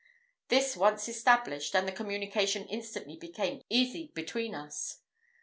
This once established, and the communication instantly became easy between us.